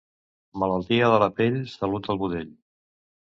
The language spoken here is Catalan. Malaltia de la pell, salut al budell.